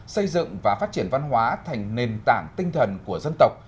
xây dựng và phát triển văn hóa thành nền tảng tinh thần của dân tộc